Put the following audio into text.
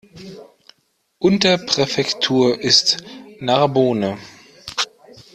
Unterpräfektur ist Narbonne.